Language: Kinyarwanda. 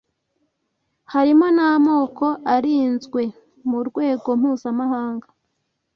harimo n’amoko arinzwe mu rwego mpuzamahanga